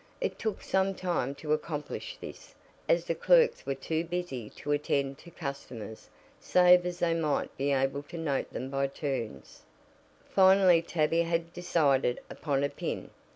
It took some time to accomplish this, as the clerks were too busy to attend to customers, save as they might be able to note them by turns. Finally Tavia had decided upon a pin.